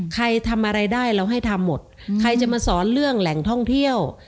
ใครทำอะไรได้เราให้ทำหมดใครจะมาสอนเรื่องแหล่งท่องเที่ยว